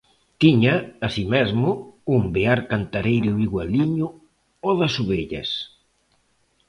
Tiña, así mesmo, un bear cantareiro igualiño ao das ovellas.